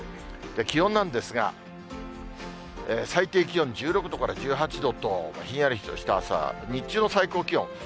気温なんですが、最低気温１６度から１８度と、ひやりとした朝、日中の最高気温。